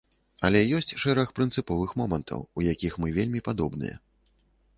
Але ёсць шэраг прынцыповых момантаў, у якіх мы вельмі падобныя.